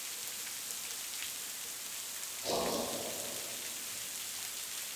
তোমার সামনে এখনও একটা জীবন পড়ে আছে।